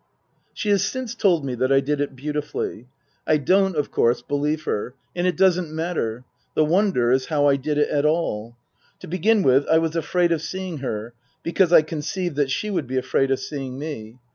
She has since told me that I did it beautifully. I don't, of course, believe her, and it doesn't matter. The wonder is how I did it at all. To begin with I was afraid of seeing her, because I conceived that she would be afraid of seeing me.